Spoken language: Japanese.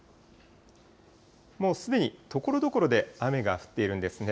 もうすでにところどころで雨が降っているんですね。